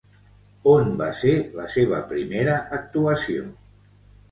On va ser la seva primera actuació?